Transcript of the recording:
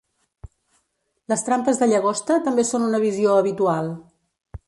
Les trampes de llagosta també són una visió habitual.